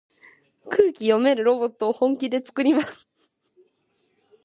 空気読めるロボットを本気でつくります。